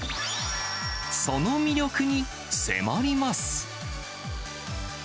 その魅力に迫ります。